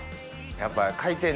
やっぱり。